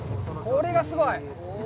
これがすごい！